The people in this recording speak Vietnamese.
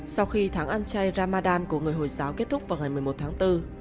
sau khi tháng ăn chay ramadan của người hồi giáo kết thúc vào ngày một mươi một tháng bốn